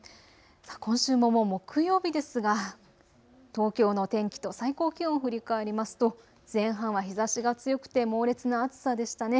今週ももう木曜日ですが東京の天気と最高気温を振り返りますと前半は日ざしが強くて猛烈な暑さでしたね。